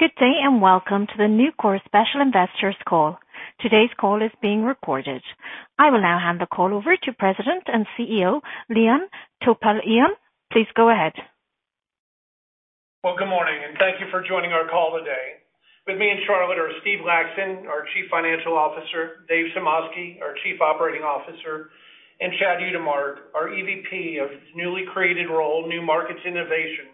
Good day, and welcome to the Nucor Special Investors call. Today's call is being recorded. I will now hand the call over to President and CEO, Leon Topalian. Please go ahead. Well, good morning, and thank you for joining our call today. With me in Charlotte are Steve Laxton, our Chief Financial Officer, Dave Sumoski, our Chief Operating Officer, and Chad Utermark, our EVP of his newly created role, New Markets and Innovation.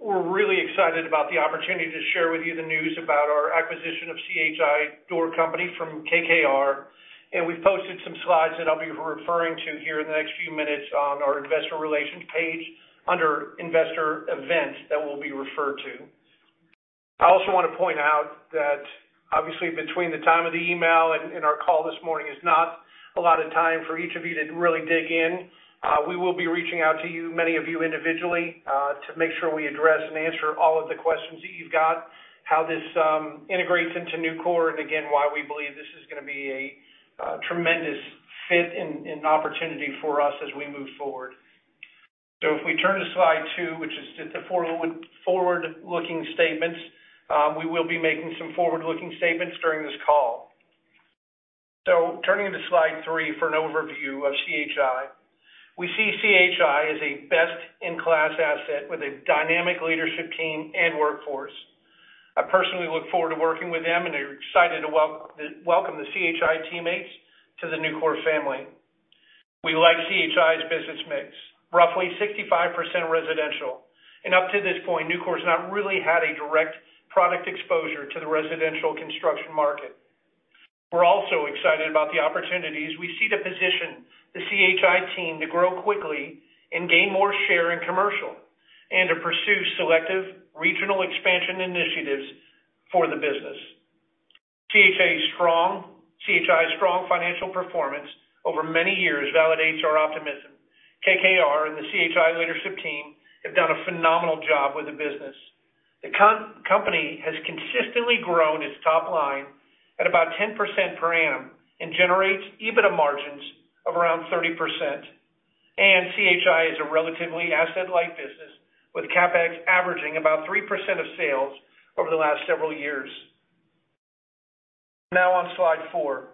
We're really excited about the opportunity to share with you the news about our acquisition of C.H.I. Overhead Doors from KKR, and we've posted some slides that I'll be referring to here in the next few minutes on our investor relations page under investor events that will be referred to. I also wanna point out that obviously, between the time of the email and our call this morning is not a lot of time for each of you to really dig in. We will be reaching out to you, many of you individually, to make sure we address and answer all of the questions that you've got, how this integrates into Nucor, and again, why we believe this is gonna be a tremendous fit and opportunity for us as we move forward. If we turn to slide two, which is just the forward-looking statements, we will be making some forward-looking statements during this call. Turning to slide three for an overview of C.H.I. We see C.H.I. as a best-in-class asset with a dynamic leadership team and workforce. I personally look forward to working with them, and they're excited to welcome the C.H.I. teammates to the Nucor family. We like C.H.I.'s business mix. Roughly 65% residential. And up to this point, Nucor's not really had a direct product exposure to the residential construction market. We're also excited about the opportunities we see to position the C.H.I. team to grow quickly and gain more share in commercial, and to pursue selective regional expansion initiatives for the business. C.H.I.'s strong financial performance over many years validates our optimism. KKR and the C.H.I. leadership team have done a phenomenal job with the business. The company has consistently grown its top line at about 10% per annum and generates EBITDA margins of around 30%. C.H.I. is a relatively asset-light business with CapEx averaging about 3% of sales over the last several years. Now on slide four.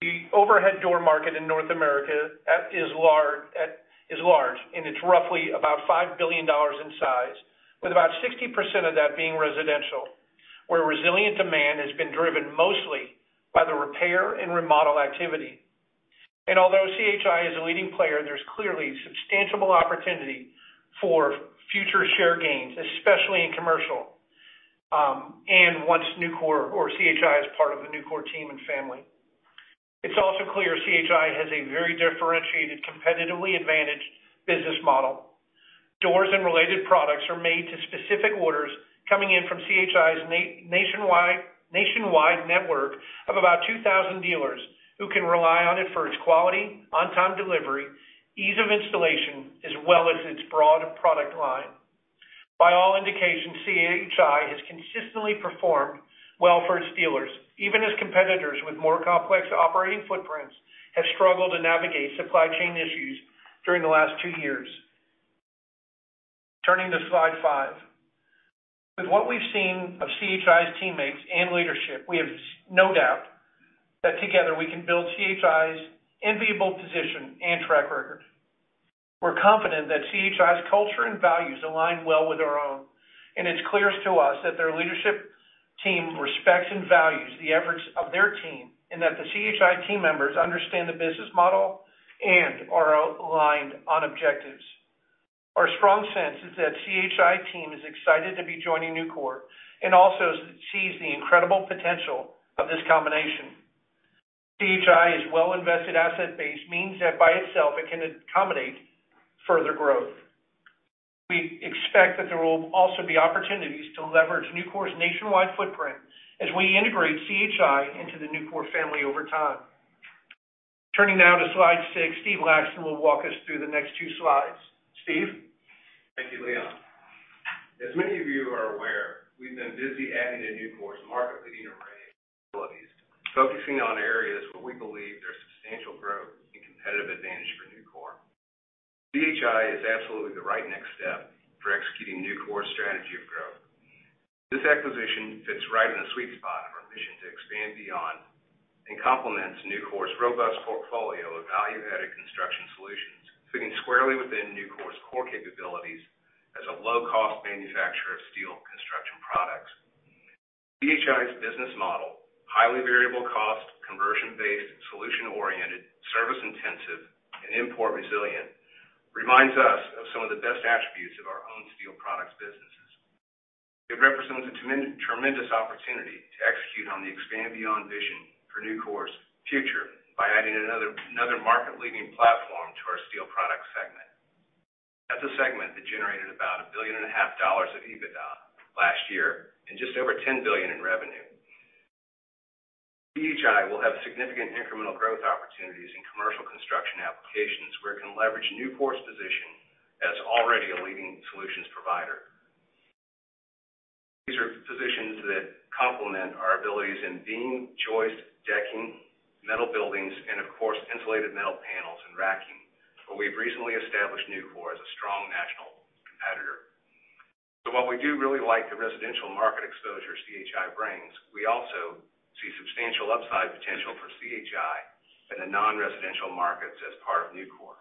The overhead door market in North America is large, and it's roughly about $5 billion in size, with about 60% of that being residential, where resilient demand has been driven mostly by the repair and remodel activity. Although CHI is a leading player, there's clearly substantial opportunity for future share gains, especially in commercial, and once Nucor or CHI is part of the Nucor team and family. It's also clear CHI has a very differentiated, competitively advantaged business model. Doors and related products are made to specific orders coming in from CHI's nationwide network of about 2,000 dealers who can rely on it for its quality, on-time delivery, ease of installation, as well as its broad product line. By all indications, C.H.I. has consistently performed well for its dealers, even as competitors with more complex operating footprints have struggled to navigate supply chain issues during the last two years. Turning to slide five. With what we've seen of C.H.I.'s teammates and leadership, we have no doubt that together we can build C.H.I.'s enviable position and track record. We're confident that C.H.I.'s culture and values align well with our own, and it's clear to us that their leadership team respects and values the efforts of their team, and that the C.H.I. team members understand the business model and are aligned on objectives. Our strong sense is that C.H.I. team is excited to be joining Nucor and also sees the incredible potential of this combination. C.H.I.'s well-invested asset base means that by itself it can accommodate further growth. We expect that there will also be opportunities to leverage Nucor's nationwide footprint as we integrate C.H.I into the Nucor family over time. Turning now to slide six, Steve Laxton will walk us through the next two slides. Steve? Thank you, Leon. As many of you are aware, we've been busy adding to Nucor's market-leading array of capabilities, focusing on areas where we believe there's substantial growth and competitive advantage for Nucor. C.H.I is absolutely the right next step for executing Nucor's strategy of growth. This acquisition fits right in the sweet spot of our mission to expand beyond and complements Nucor's robust portfolio of value-added construction solutions, fitting squarely within Nucor's core capabilities as a low-cost manufacturer of steel construction products. C.H.I's business model, highly variable cost, conversion-based, solution-oriented, service intensive, and import resilient, reminds us of some of the best attributes of our own steel products businesses. It represents a tremendous opportunity to execute on the expand beyond vision for Nucor's future by adding another market-leading platform to our steel product segment. That's a segment that generated about $1.5 billion of EBITDA last year and just over $10 billion in revenue. C.H.I. will have significant incremental growth opportunities in commercial construction applications where it can leverage Nucor's position as already a leading solutions provider. These are positions that complement our abilities in beam, joist, decking, metal buildings, and of course, Insulated Metal Panels and racking, where we've recently established Nucor as a strong national competitor. While we do really like the residential market exposure C.H.I. brings, we also see substantial upside potential for C.H.I. in the non-residential markets as part of Nucor.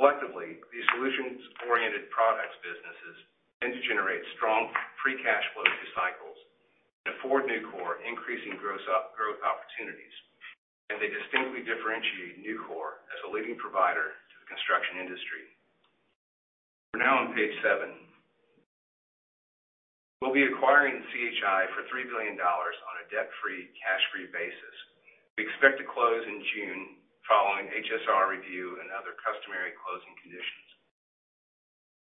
Collectively, these solutions-oriented products businesses tend to generate strong free cash flow through cycles and afford Nucor increasing growth opportunities, and they distinctly differentiate Nucor as a leading provider to the construction industry. We're now on page seven. We'll be acquiring C.H.I. for $3 billion on a debt-free, cash-free basis. We expect to close in June following HSR review and other customary closing conditions.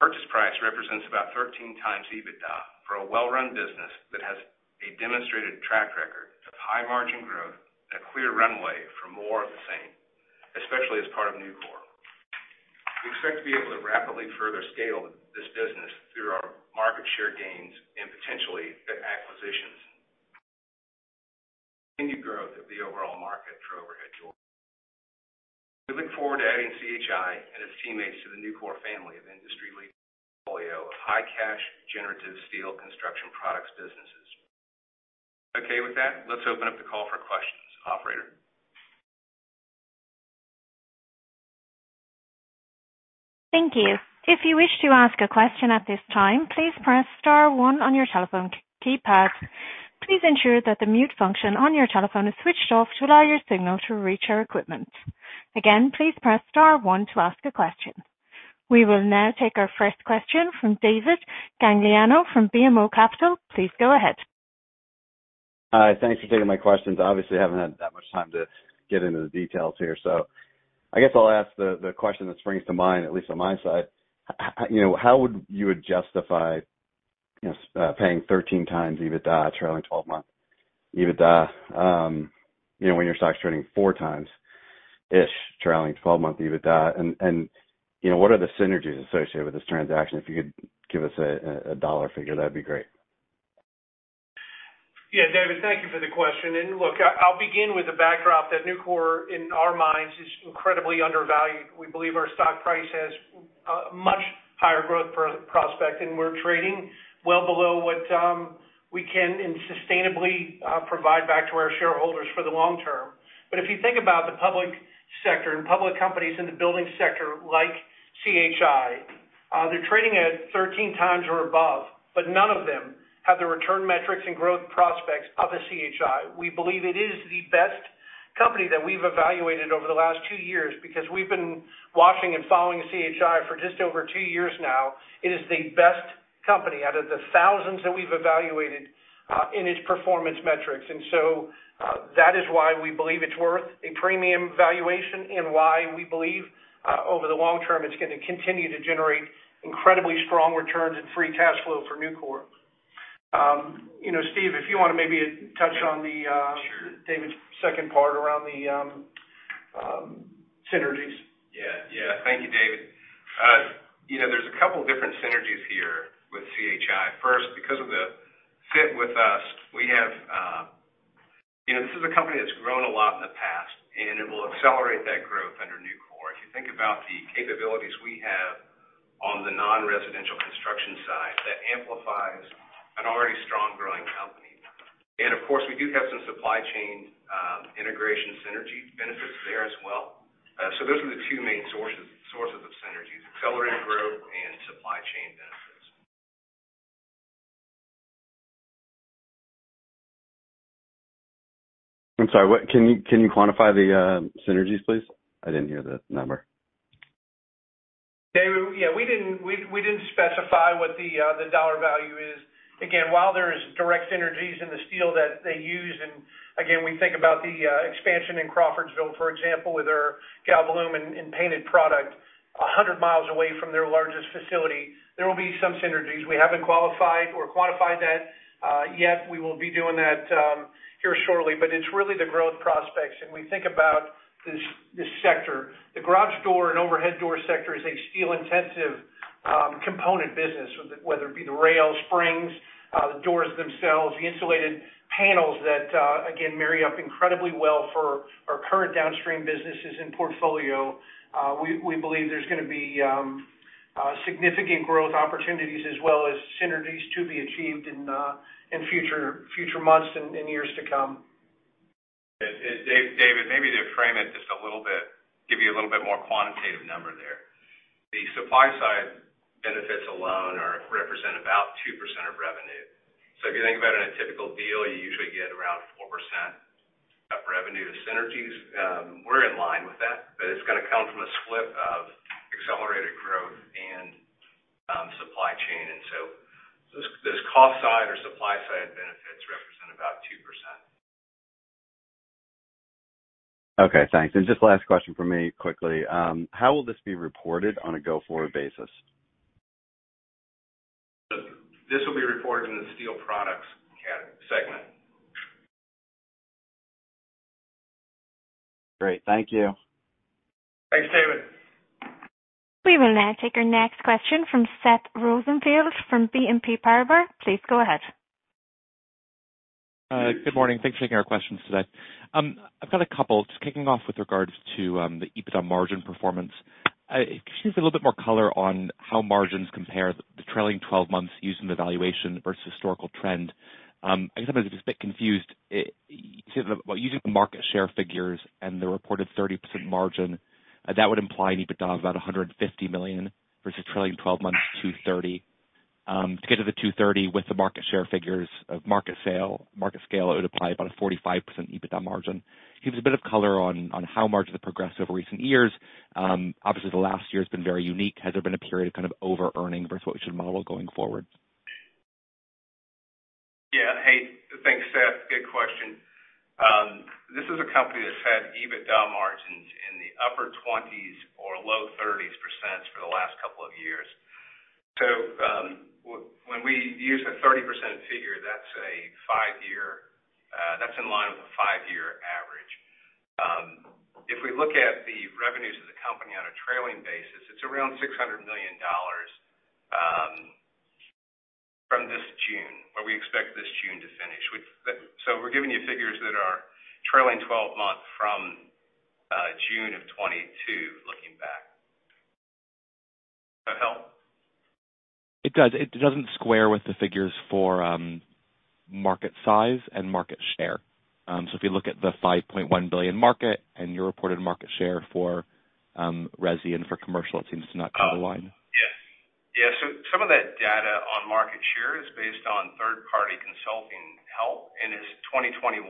Purchase price represents about 13 times EBITDA for a well-run business that has a demonstrated track record of high margin growth and a clear runway for more of the same, especially as part of Nucor. We expect to be able to rapidly further scale this business through our market share gains and potentially acquisitions. Continued growth of the overall market for overhead doors. We look forward to adding C.H.I. and its teammates to the Nucor family of industry-leading portfolio of high cash generative steel construction products businesses. Okay, with that, let's open up the call for questions. Operator? Thank you. If you wish to ask a question at this time, please press star one on your telephone keypad. Please ensure that the mute function on your telephone is switched off to allow your signal to reach our equipment. Again, please press star one to ask a question. We will now take our first question from David Gagliano from BMO Capital Markets. Please go ahead. Hi. Thanks for taking my questions. Obviously, I haven't had that much time to get into the details here, so I guess I'll ask the question that springs to mind, at least on my side. How, you know, how would you justify, you know, paying 13 times EBITDA, trailing 12th month EBITDA, you know, when your stock is trading 4 fourtimes-ish, trailing 12th month EBITDA? What are the synergies associated with this transaction? If you could give us a dollar figure, that'd be great. Yeah. David, thank you for the question. Look, I'll begin with the backdrop that Nucor, in our minds, is incredibly undervalued. We believe our stock price has much higher growth prospect, and we're trading well below what we can and sustainably provide back to our shareholders for the long term. If you think about the public sector and public companies in the building sector like C.H.I., they're trading at 13 times or above, but none of them have the return metrics and growth prospects of a C.H.I. We believe it is the best company that we've evaluated over the last two years because we've been watching and following C.H.I. for just over two years now. It is the best company out of the thousands that we've evaluated in its performance metrics. And so that is why we believe it's worth a premium valuation and why we believe, over the long term, it's gonna continue to generate incredibly strong returns and free cash flow for Nucor. You know, Steve, if you wanna maybe touch on the, Sure. David's second part around the synergies. Yeah. Thank you, David. You know, there's a couple different synergies here with C.H.I. First, because of the fit with us, we have. You know, this is a company that's grown a lot in the past, and it will accelerate that growth under Nucor. If you think about the capabilities we have on the non-residential construction side, that amplifies an already strong growing company. Of course, we do have some supply chain integration synergy benefits there as well. Those are the two main sources of synergies, accelerated growth and supply chain benefits. I'm sorry. What? Can you quantify the synergies, please? I didn't hear the number. David, yeah, we didn't specify what the dollar value is. Again, while there's direct synergies in the steel that they use, and again, we think about the expansion in Crawfordsville, for example, with our Galvalume and painted product a 100 miles away from their largest facility. There will be some synergies. We haven't qualified or quantified that yet. We will be doing that here shortly. It's really the growth prospects, and we think about this sector. The garage door and overhead door sector is a steel-intensive component business, whether it be the rail, springs, the doors themselves, the insulated panels that again marry up incredibly well for our current downstream businesses and portfolio. We believe there's gonna be significant growth opportunities as well as synergies to be achieved in future months and years to come. David, maybe to frame it just a little bit, give you a little bit more quantitative number there. The supply side benefits alone represent about 2% of revenue. If you think about in a typical deal, you usually get around 4% of revenue synergies. We're in line with that, but it's gonna come from a split of accelerated growth and supply chain. This cost side or supply side benefits represent about 2%. Okay, thanks. Just last question from me quickly. How will this be reported on a go-forward basis? This will be reported in the steel products segment. Great. Thank you. Thanks, David. We will now take our next question from Seth Rosenfeld from BNP Paribas. Please go ahead. Good morning. Thanks for taking our questions today. I've got a couple. Just kicking off with regards to the EBITDA margin performance. Can you give us a little bit more color on how margins compare the trailing 12 months using the valuation versus historical trend? I guess I'm just a bit confused. Using the market share figures and the reported 30% margin, that would imply an EBITDA of about $150 million versus trailing 12 months $230 million. To get to the $230 million with the market share figures of market scale, it would imply about a 45% EBITDA margin. Give us a bit of color on how margins have progressed over recent years. Obviously, the last year has been very unique. Has there been a period of kind of overearning versus what we should model going forward? Yeah. Hey, thanks, Seth. Good question. This is a company that's had EBITDA margins in the upper 20%s or low 30s% for the last couple of years. When we use a 30% figure, that's in line with a five-year average. If we look at the revenues of the company on a trailing basis, it's around $600 million from this June, where we expect this June to finish. We're giving you figures that are trailing 12 months from June of 2022 looking back. Does that help? It does. It doesn't square with the figures for market size and market share. If you look at the $5.1 billion market and your reported market share for Resi and for commercial, it seems to not cover the line. Yeah. Some of that data on market share is based on third-party consulting help and is 2021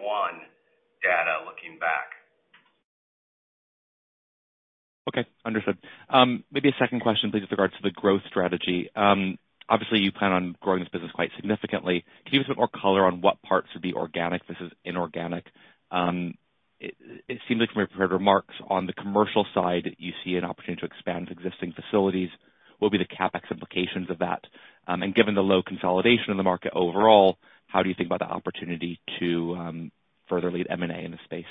data looking back. Okay. Understood. Maybe a second question, please, with regards to the growth strategy. Obviously, you plan on growing this business quite significantly. Can you give us a bit more color on what parts would be organic versus inorganic? It seems like from your prepared remarks on the commercial side, you see an opportunity to expand existing facilities. What will be the CapEx implications of that? Given the low consolidation in the market overall, how do you think about the opportunity to further lead M&A in the space?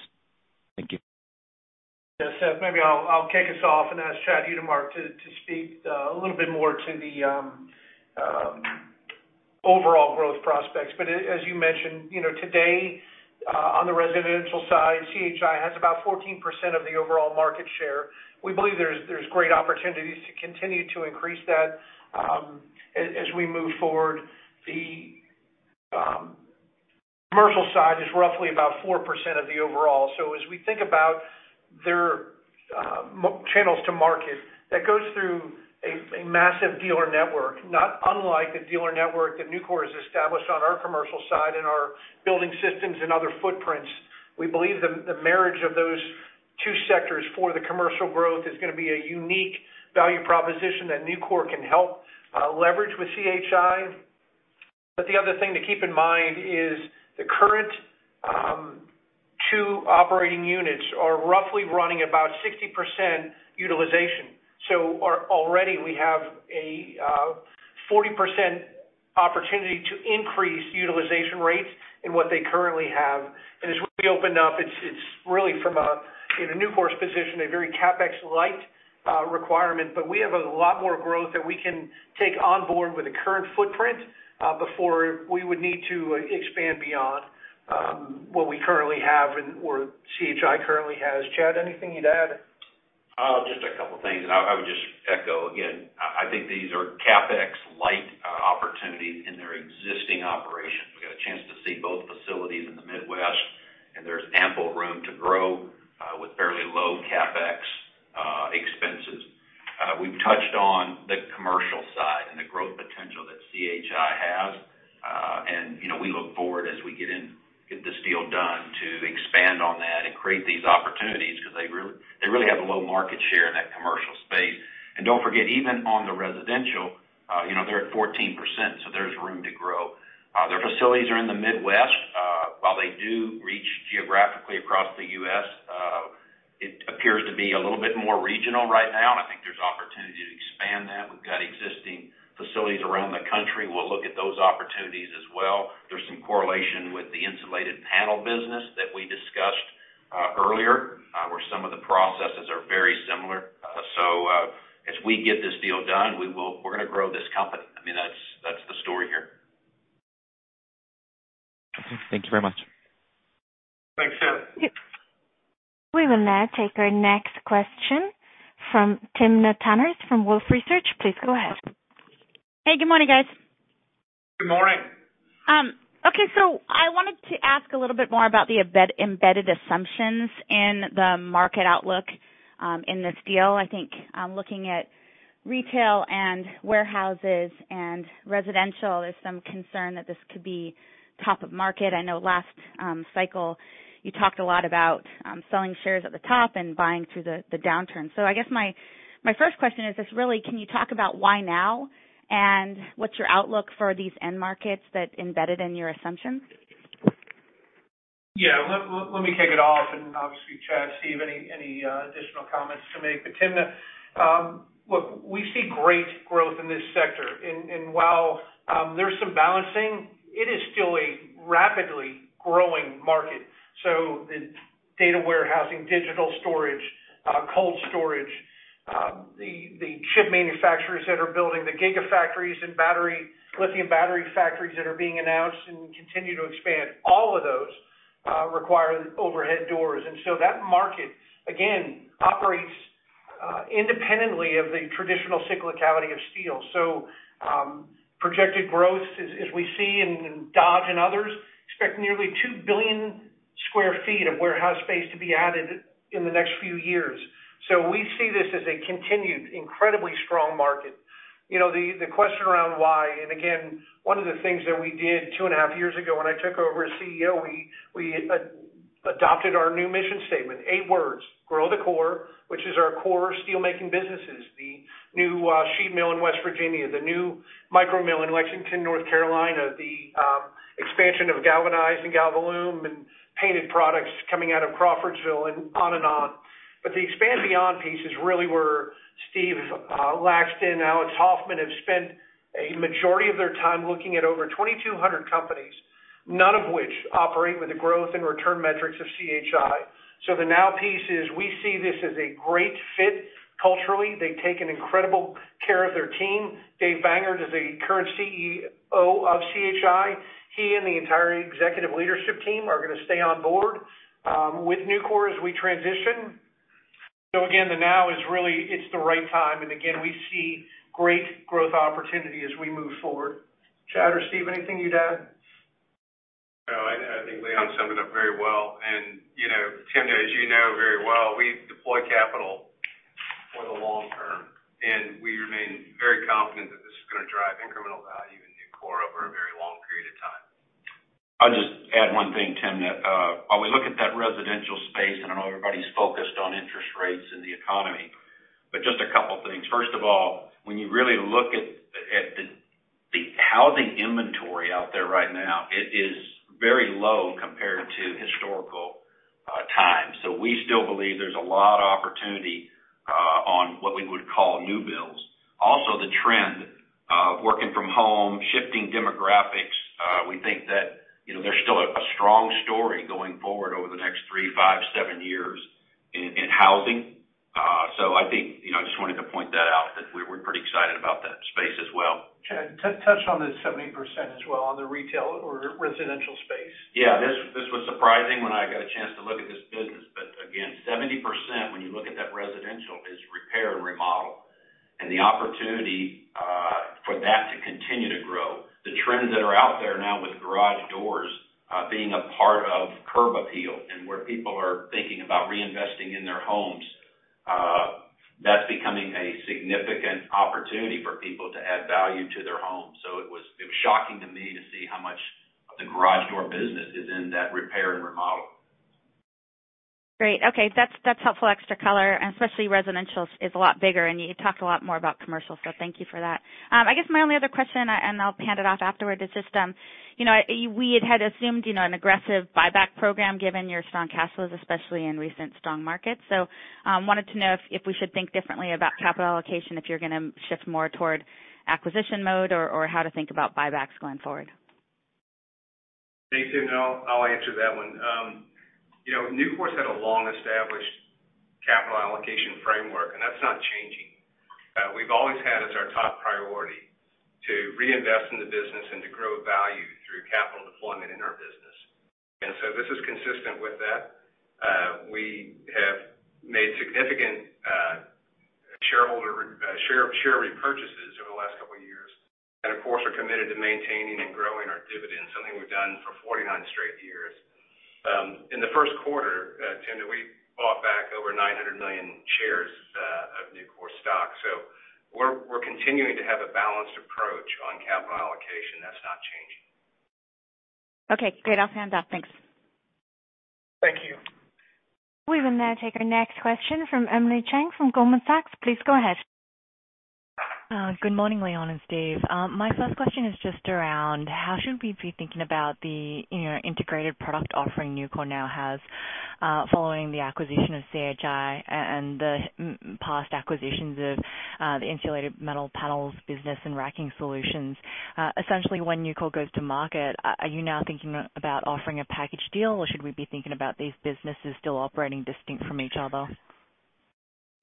Thank you. Yeah. Seth, maybe I'll kick us off and ask Chad Utermark to speak a little bit more to the overall growth prospects. As you mentioned, you know, today on the residential side, C.H.I has about 14% of the overall market share. We believe there's great opportunities to continue to increase that as we move forward. The commercial side is roughly about 4% of the overall. As we think about their channels to market, that goes through a massive dealer network, not unlike the dealer network that Nucor has established on our commercial side and our building systems and other footprints. We believe the marriage of those two sectors for the commercial growth is gonna be a unique value proposition that Nucor can help leverage with C.H.I. The other thing to keep in mind is the current two operating units are roughly running about 60% utilization. Already, we have a 40% opportunity to increase utilization rates in what they currently have. As we open up, it's really in Nucor's position a very CapEx-light requirement. We have a lot more growth that we can take on board with the current footprint before we would need to expand beyond what we currently have and where C.H.I currently has. Chad, anything you'd add? Just a couple of things, I would just echo again. I think these are CapEx-light opportunities in their existing operations. We got a chance to see both facilities in the Midwest, and there's ample room to grow with fairly low CapEx expenses. We've touched on the commercial side and the growth potential that C.H.I has. You know, we look forward as we get this deal done to expand on that and create these opportunities because they really have a low market share in that commercial space. Don't forget, even on the residential, you know, they're at 14%, so there's room to grow. Their facilities are in the Midwest. While they do reach geographically across the U.S., it appears to be a little bit more regional right now, and I think there's opportunity to expand that. We've got existing facilities around the country. We'll look at those opportunities as well. There's some correlation with the insulated panel business that we discussed earlier, where some of the processes are very similar. So, as we get this deal done, we're gonna grow this company. I mean, that's the story here. Okay. Thank you very much. Thanks, Seth. We will now take our next question from Timna Tanners from Wolfe Research. Please go ahead. Hey, good morning, guys. Good morning. Okay, I wanted to ask a little bit more about the embedded assumptions in the market outlook, in this deal. I think, looking at retail and warehouses and residential, there's some concern that this could be top of market. I know last cycle you talked a lot about selling shares at the top and buying through the downturn. I guess my first question is this really, can you talk about why now and what's your outlook for these end markets that embedded in your assumptions? Yeah. Let me kick it off, and obviously, Chad, Steve, any additional comments to make. Timna, look, we see great growth in this sector. While there's some balancing, it is still a rapidly growing market. Data warehousing, digital storage, cold storage, the chip manufacturers that are building the Gigafactories and battery lithium battery factories that are being announced and continue to expand. All of those require overhead doors. That market, again, operates independently of the traditional cyclicality of steel. Projected growth as we see in Dodge and others expect nearly 2 billion sq ft. Of warehouse space to be added in the next few years. We see this as a continued incredibly strong market. You know, the question around why, and again, one of the things that we did two and a half years ago when I took over as CEO, we adopted our new mission statement, eight words: grow the core, which is our core steel making businesses, the new sheet mill in West Virginia, the new micro mill in Lexington, North Carolina, the expansion of Galvanize and Galvalume and painted products coming out of Crawfordsville and on and on. The expand beyond piece is really where Steve Laxton, Alex Hoffman, have spent a majority of their time looking at over 2,200 companies, none of which operate with the growth and return metrics of C.H.I. The now piece is we see this as a great fit culturally. They take an incredible care of their team. Dave Bangert is the current CEO of C.H.I. He and the entire executive leadership team are gonna stay on board with Nucor as we transition. Again, the now is really it's the right time. Again, we see great growth opportunity as we move forward. Chad or Steve, anything you'd add? No, I think Leon summed it up very well. You know, Tim, as you know very well, we deploy capital for the long term, and we remain very confident that this is gonna drive incremental value in Nucor over a very long period of time. I'll just add one thing, Tim, that while we look at that residential space, and I know everybody's focused on interest rates and the economy, but just a couple things. First of all, when you really look at the housing inventory out there right now, it is very low compared to historical times. We still believe there's a lot of opportunity on what we would call new builds. Also the trend of working from home, shifting demographics, we think that, you know, there's still a strong story going forward over the next three to five to seven years in housing. I think, you know, I just wanted to point that out that we're pretty excited about that space as well. Chad, to touch on the 70% as well on the retail or residential space. Yeah. This was surprising when I got a chance to look at this business. Again, 70% when you look at that residential is repair and remodel. The opportunity for that to continue to grow. The trends that are out there now with garage doors being a part of curb appeal and where people are thinking about reinvesting in their homes, that's becoming a significant opportunity for people to add value to their homes. It was shocking to me to see how much of the garage door business is in that repair and remodel. Great. Okay. That's helpful extra color, and especially residential is a lot bigger, and you talked a lot more about commercial, so thank you for that. I guess my only other question, and I'll hand it off afterward, is just, you know, we had assumed, you know, an aggressive buyback program given your strong cash flows, especially in recent strong markets. So I wanted to know if we should think differently about capital allocation, if you're gonna shift more toward acquisition mode or how to think about buybacks going forward. Thanks, Timna. I'll answer that one. You know, Nucor's had a long established capital allocation framework, and that's not changing. We've always had as our top priority to reinvest in the business and to grow value through capital deployment in our business. This is consistent with that. We have made significant share repurchases over the last couple of years. Of course, are committed to maintaining and growing our dividend, something we've done for 49 straight years. In the first quarter, Tim, that we bought back over 900 million shares of Nucor stock. We're continuing to have a balanced approach on capital allocation. That's not changing. Okay, great. I'll hand off. Thanks. Thank you. We will now take our next question from Emily Chieng from Goldman Sachs. Please go ahead. Good morning, Leon and Steve. My first question is just around how should we be thinking about the, you know, integrated product offering Nucor now has, following the acquisition of C.H.I. and the past acquisitions of, the Insulated Metal Panels business and racking solutions. Essentially, when Nucor goes to market, are you now thinking about offering a package deal, or should we be thinking about these businesses still operating distinct from each other?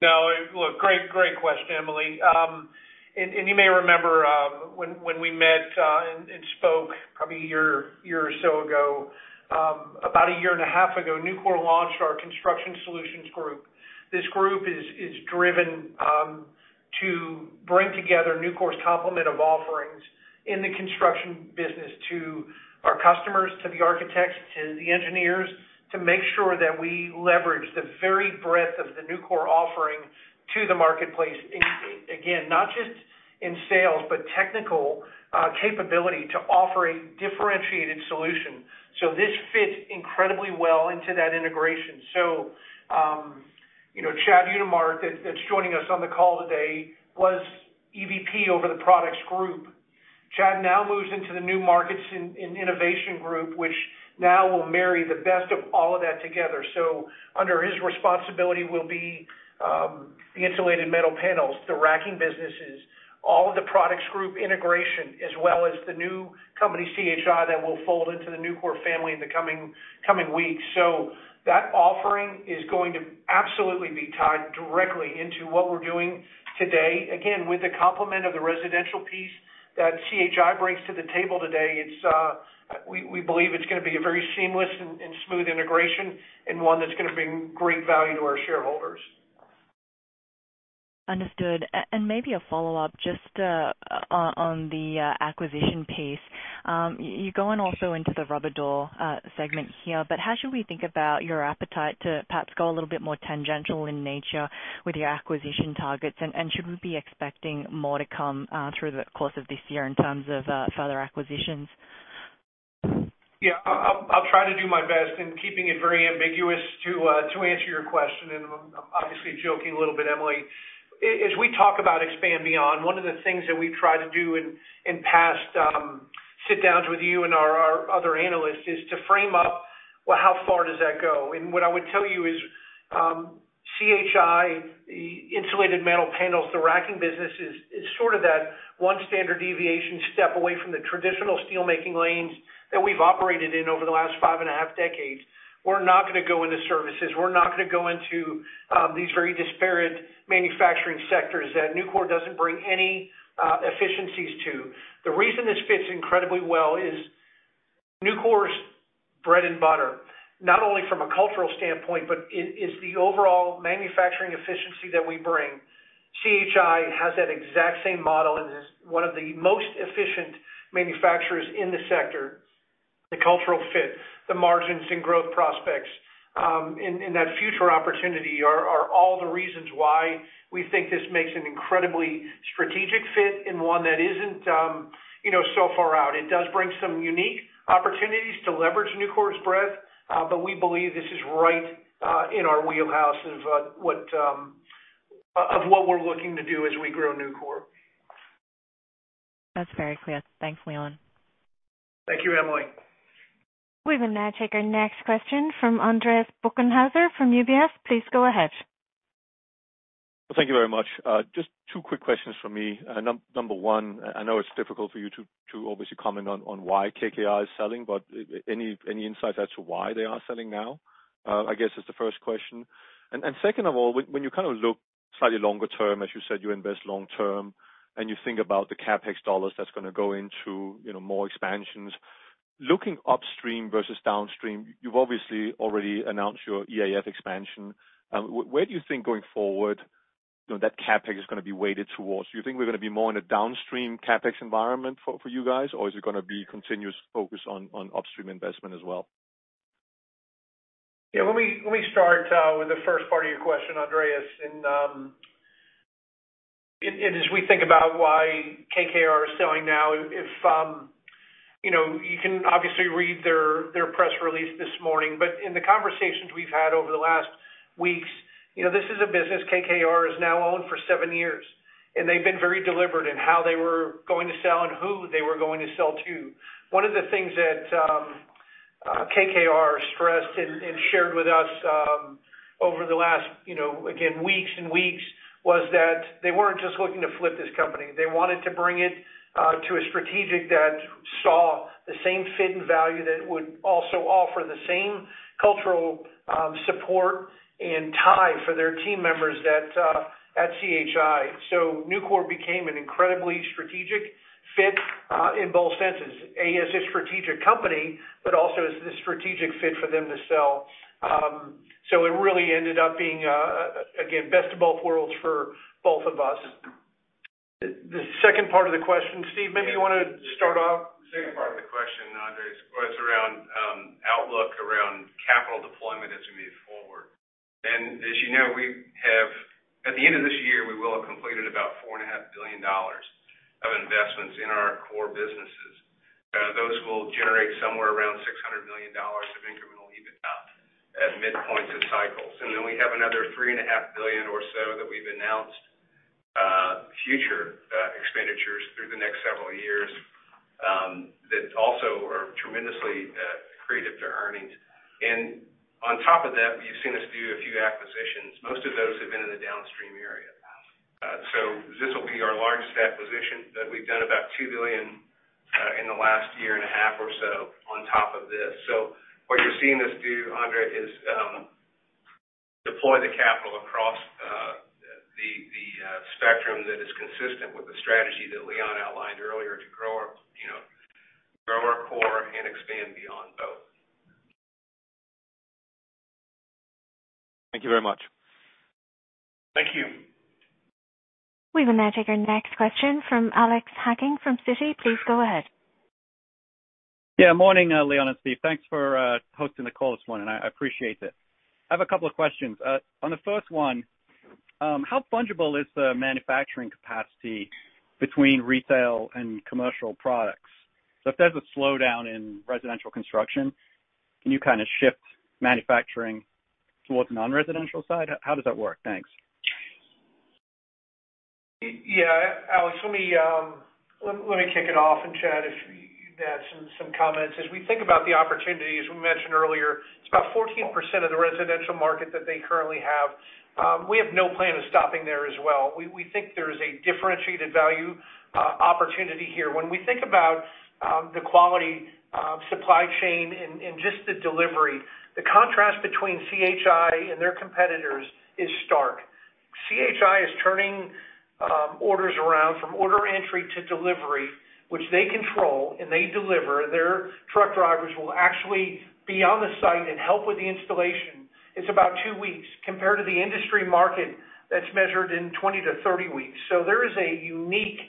No. Look, great question, Emily. You may remember, when we met and spoke probably a year or so ago, about a year and a half ago, Nucor launched our Construction Solutions group. This group is driven to bring together Nucor's complement of offerings in the construction business to our customers, to the architects, to the engineers to make sure that we leverage the very breadth of the Nucor offering to the marketplace. Again, not just in sales, but technical capability to offer a differentiated solution. This fits incredibly well into that integration. You know, Chad Utermark, that's joining us on the call today, was EVP over the products group. Chad now moves into the New Markets and Innovation group, which now will marry the best of all of that together. Under his responsibility will be the Insulated Metal Panels, the racking businesses, all of the products group integration, as well as the new company, C.H.I., that will fold into the Nucor family in the coming weeks. So that offering is going to absolutely be tied directly into what we're doing today. Again, with the complement of the residential piece that C.H.I. brings to the table today, it's we believe it's gonna be a very seamless and smooth integration and one that's gonna bring great value to our shareholders. Understood. Maybe a follow-up just on the acquisition piece. You're going also into the overhead door segment here, but how should we think about your appetite to perhaps go a little bit more tangential in nature with your acquisition targets? And should we be expecting more to come through the course of this year in terms of further acquisitions? Yeah. I'll try to do my best in keeping it very ambiguous to answer your question, and I'm obviously joking a little bit, Emily. As we talk about expanding beyond, one of the things that we try to do in past sit-downs with you and our other analysts is to frame up, well, how far does that go? What I would tell you is, C.H.I., the Insulated Metal Panels, the racking business is sort of that one standard deviation step away from the traditional steelmaking lanes that we've operated in over the last five and a half decades. We're not gonna go into services. We're not gonna go into these very disparate manufacturing sectors that Nucor doesn't bring any efficiencies to. The reason this fits incredibly well is Nucor's bread and butter, not only from a cultural standpoint, but it is the overall manufacturing efficiency that we bring. C.H.I has that exact same model and is one of the most efficient manufacturers in the sector. The cultural fit, the margins and growth prospects, in that future opportunity are all the reasons why we think this makes an incredibly strategic fit and one that isn't, you know, so far out. It does bring some unique opportunities to leverage Nucor's breadth, but we believe this is right in our wheelhouse of what we're looking to do as we grow Nucor. That's very clear. Thanks, Leon. Thank you, Emily. We will now take our next question from Andreas Bokkenheuser from UBS. Please go ahead. Thank you very much. Just two quick questions from me. Number one, I know it's difficult for you to obviously comment on why KKR is selling, but any insights as to why they are selling now, I guess is the first question. Second of all, when you kind of look slightly longer term, as you said, you invest long term, and you think about the CapEx dollars that's gonna go into, you know, more expansions. Looking upstream versus downstream, you've obviously already announced your EAF expansion. Where do you think going forward, you know, that CapEx is gonna be weighted towards? Do you think we're gonna be more in a downstream CapEx environment for you guys, or is it gonna be continuous focus on upstream investment as well? Yeah. Let me start with the first part of your question, Andreas. As we think about why KKR is selling now, you know, you can obviously read their press release this morning, but in the conversations we've had over the last weeks, you know, this is a business KKR has now owned for seven years, and they've been very deliberate in how they were going to sell and who they were going to sell to. One of the things that KKR stressed and shared with us over the last, you know, again, weeks and weeks, was that they weren't just looking to flip this company. They wanted to bring it to a strategic that saw the same fit and value that would also offer the same cultural support and tie for their team members that at C.H.I. Nucor became an incredibly strategic fit in both senses. A, as a strategic company, but also as the strategic fit for them to sell. It really ended up being again best of both worlds for both of us. The second part of the question, Steve, maybe you wanna start off? The second part of the question, Andreas, was around outlook around capital deployment as we move forward. As you know, at the end of this year, we will have completed about $4 and a half billion of investments in our core businesses. Those will generate somewhere around $600 million of incremental EBITDA at midpoint of cycles. Then we have another $3 and a half billion or so that we've announced future expenditures through the next several years that also are tremendously accretive to earnings. On top of that, you've seen us do a few acquisitions. Most of those have been in the downstream area. This will be our largest acquisition, but we've done about $2 billion in the last year and a half or so on top of this. What you're seeing us do, Andreas, is deploy the capital across the spectrum that is consistent with the strategy that Leon outlined earlier to grow our, you know, core and expand beyond both. Thank you very much. Thank you. We will now take our next question from Alexander Hacking from Citi. Please go ahead. Yeah. Morning, Leon and Steve. Thanks for hosting the call this morning. I appreciate it. I have a couple of questions. On the first one, how fungible is the manufacturing capacity between retail and commercial products? So if there's a slowdown in residential construction, can you kind of shift manufacturing towards non-residential side? How does that work? Thanks. Yeah, Alex, let me kick it off, and Chad, if you'd add some comments. As we think about the opportunity, as we mentioned earlier, it's about 14% of the residential market that they currently have. We have no plan of stopping there as well. We think there's a differentiated value opportunity here. When we think about the quality, supply chain and just the delivery, the contrast between C.H.I and their competitors is stark. C.H.I is turning orders around from order entry to delivery, which they control, and they deliver. Their truck drivers will actually be on the site and help with the installation. It's about two weeks compared to the industry market that's measured in 20 to 30 weeks. There is a unique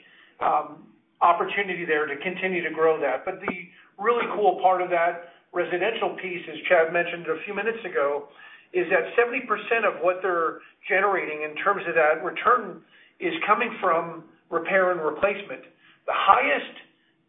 opportunity there to continue to grow that. The really cool part of that residential piece, as Chad mentioned a few minutes ago, is that 70% of what they're generating in terms of that return is coming from repair and replacement. The highest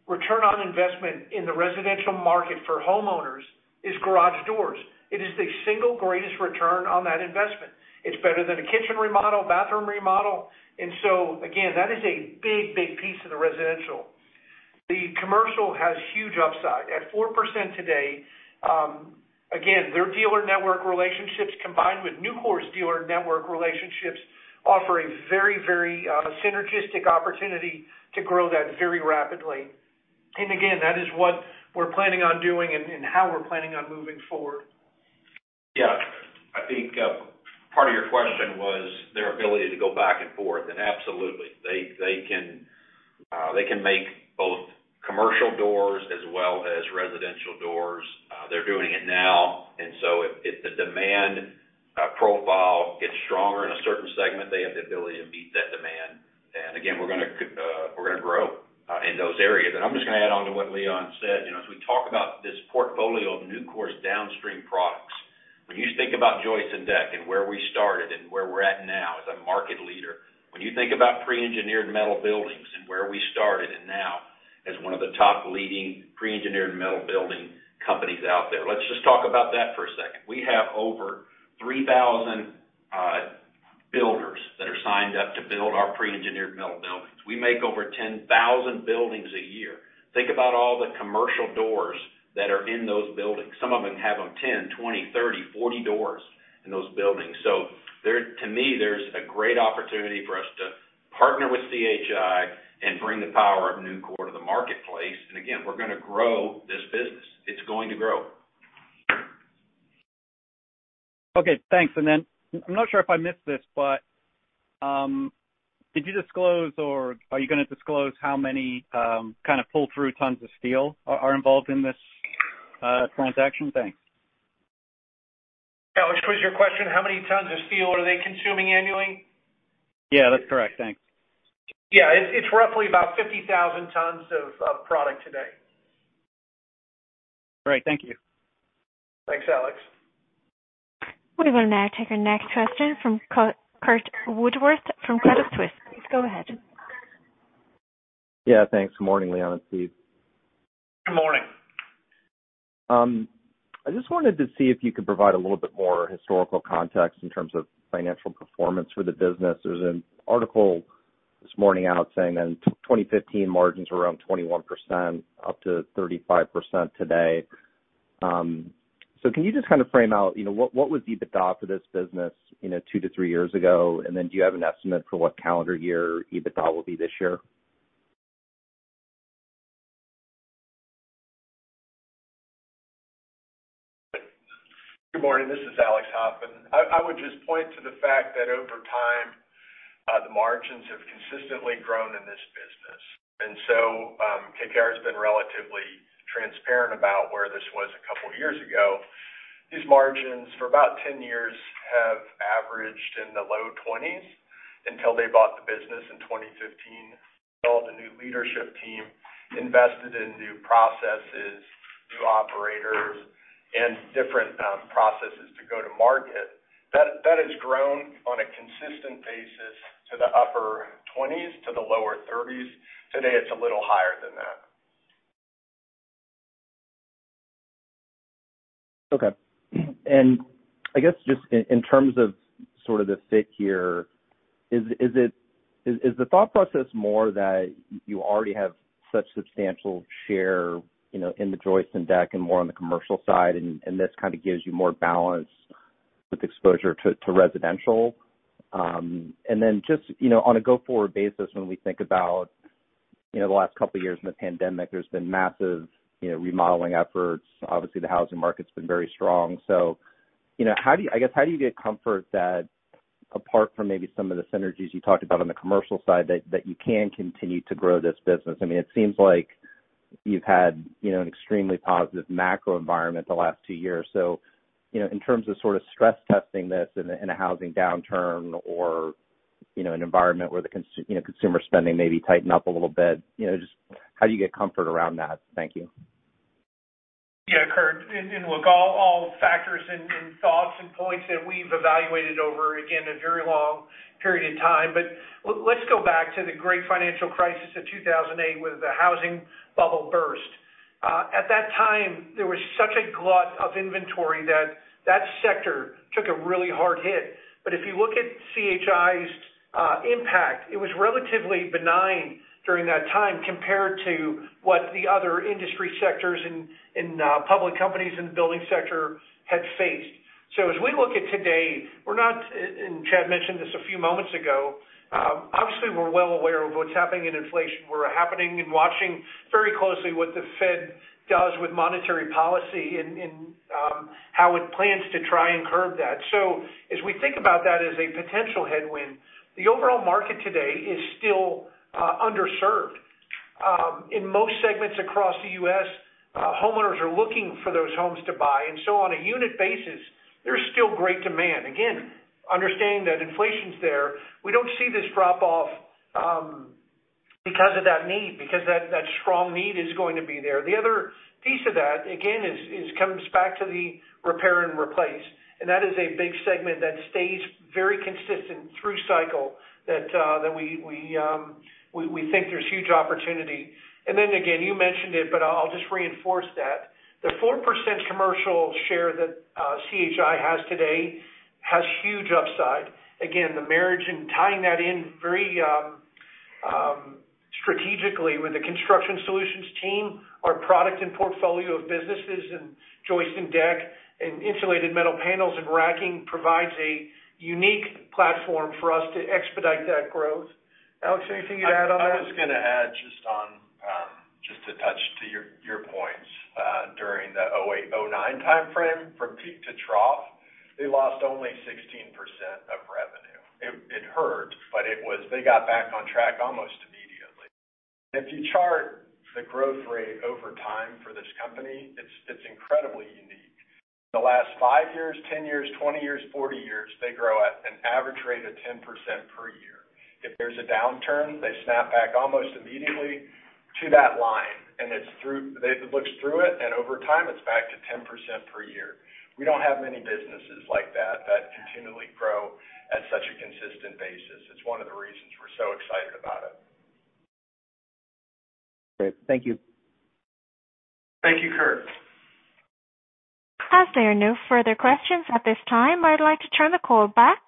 return on investment in the residential market for homeowners is garage doors. It is the single greatest return on that investment. It's better than a kitchen remodel, bathroom remodel. That is a big, big piece of the residential. The commercial has huge upside. At 4% today, again, their dealer network relationships combined with Nucor's dealer network relationships offer a very, very, synergistic opportunity to grow that very rapidly. That is what we're planning on doing and how we're planning on moving forward. Yeah. I think part of your question was their ability to go back and forth, and absolutely. They can make both commercial doors as well as residential doors. They're doing it now. If the demand profile gets stronger in a certain segment, they have the ability to meet that demand. Again, we're gonna grow in those areas. I'm just gonna add on to what Leon said. You know, as we talk about this portfolio of Nucor's downstream products, when you think about joist and deck and where we started and where we're at now as a market leader, when you think about pre-engineered metal buildings and where we started and now as one of the top leading pre-engineered metal building companies out there. Let's just talk about that for a second. We have over 3,000 builders that are signed up to build our pre-engineered metal buildings. We make over 10,000 buildings a year. Think about all the commercial doors that are in those buildings. Some of them have 10, 20, 30, 40 doors in those buildings. To me, there's a great opportunity for us to partner with C.H.I and bring the power of Nucor to the marketplace. Again, we're gonna grow this business. It's going to grow. Okay, thanks. I'm not sure if I missed this, but did you disclose or are you gonna disclose how many kind of pull-through tons of steel are involved in this transaction? Thanks. Alex, was your question how many tons of steel are they consuming annually? Yeah, that's correct. Thanks. Yeah. It's roughly about 50,000 tons of product today. Great. Thank you. Thanks, Alex. We will now take our next question from Curt Woodworth from Credit Suisse. Please go ahead. Yeah, thanks. Good morning, Leon and Steve. Good morning. I just wanted to see if you could provide a little bit more historical context in terms of financial performance for the business. There's an article this morning out saying that 2015 margins were around 21%, up to 35% today. Can you just kind of frame out, you know, what was EBITDA for this business, you know, two to three years ago? Then do you have an estimate for what calendar year EBITDA will be this year? Good morning. This is Alex Hoffman. I would just point to the fact that over time, the margins have consistently grown in this business. KKR has been relatively transparent about where this was a couple of years ago. These margins for about 10 years have averaged in the low 20s% until they bought the business in 2015, built a new leadership team, invested in new processes, new operators, and different processes to go to market. That has grown on a consistent basis to the upper 20s%-lower 30s%. Today, it's a little higher than that. Okay. I guess just in terms of sort of the fit here, is the thought process more that you already have such substantial share, you know, in the joist and deck and more on the commercial side, and this kind of gives you more balance with exposure to residential? Just, you know, on a go-forward basis, when we think about, you know, the last couple of years in the pandemic, there's been massive, you know, remodeling efforts. Obviously, the housing market's been very strong. You know, I guess, how do you get comfort that apart from maybe some of the synergies you talked about on the commercial side, that you can continue to grow this business? I mean, it seems like you've had, you know, an extremely positive macro environment the last two years. You know, in terms of sort of stress testing this in a housing downturn or, you know, an environment where consumer spending maybe tighten up a little bit, you know, just how do you get comfort around that? Thank you. Yeah, Curt. Look, all factors and thoughts and points that we've evaluated over again a very long period of time. But let's go back to the great financial crisis of 2008, when the housing bubble burst. At that time, there was such a glut of inventory that sector took a really hard hit. If you look at C.H.I.'s impact, it was relatively benign during that time compared to what the other industry sectors in public companies in the building sector had faced. As we look at today, we're not, and Chad mentioned this a few moments ago. Obviously, we're well aware of what's happening in inflation. We're heeding and watching very closely what the Fed does with monetary policy and how it plans to try and curb that. As we think about that as a potential headwind, the overall market today is still underserved. In most segments across the U.S., homeowners are looking for those homes to buy, and so on a unit basis, there's still great demand. Again, understanding that inflation's there, we don't see this drop off because of that need, because that strong need is going to be there. The other piece of that, again, comes back to the repair and replace, and that is a big segment that stays very consistent through cycle that we think there's huge opportunity. Again, you mentioned it, but I'll just reinforce that. The 4% commercial share that C.H.I. has today has huge upside. Again, the marriage and tying that in very strategically with the Construction Solutions team, our product and portfolio of businesses and joist and deck and Insulated Metal Panels and racking provides a unique platform for us to expedite that growth. Alex, anything you'd add on that? I was gonna add just on, just to touch to your points. During the 2008, 2009 timeframe, from peak to trough, they lost only 16% of revenue. It hurt, but they got back on track almost immediately. If you chart the growth rate over time for this company, it's incredibly unique. The last five years, 10 years, 20 years, 40 years, they grow at an average rate of 10% per year. If there's a downturn, they snap back almost immediately to that line, and it looks through it, and over time, it's back to 10% per year. We don't have many businesses like that continually grow at such a consistent basis. It's one of the reasons we're so excited about it. Great. Thank you. Thank you, Curt. As there are no further questions at this time, I'd like to turn the call back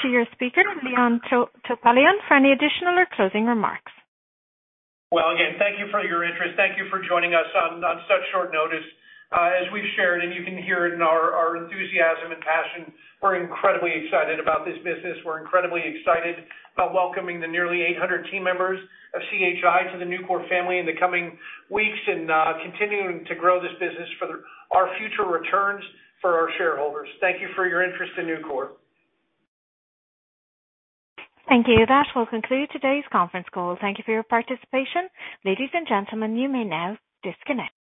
to your speaker, Leon Topalian, for any additional or closing remarks. Well, again, thank you for your interest. Thank you for joining us on such short notice. As we've shared and you can hear it in our enthusiasm and passion, we're incredibly excited about this business. We're incredibly excited about welcoming the nearly 800 team members of C.H.I. to the Nucor family in the coming weeks and continuing to grow this business for our future returns for our shareholders. Thank you for your interest in Nucor. Thank you. That will conclude today's conference call. Thank you for your participation. Ladies and gentlemen, you may now disconnect.